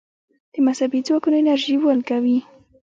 د مذهبي ځواکونو انرژي ولګوي.